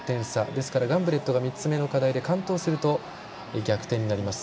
ですからガンブレットが３つ目の課題で完登すると逆転になります。